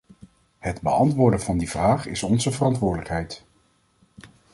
Het beantwoorden van die vraag is onze verantwoordelijkheid.